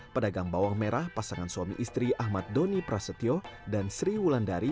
pedagang bawang merah pasangan suami istri ahmad doni prasetyo dan sri wulandari